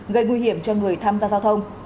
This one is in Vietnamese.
gây nguy hiểm cho người tham gia giao thông